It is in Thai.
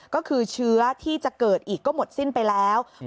ก็คือเชื้อที่จะเกิดอีกก็หมดสิ้นไปแล้ว